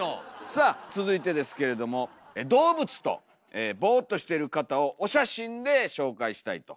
さあ続いてですけれども動物とボーっとしてる方をお写真で紹介したいと。